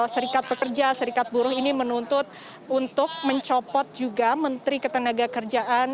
serikat pekerja serikat buruh ini menuntut untuk mencopot juga menteri ketenaga kerjaan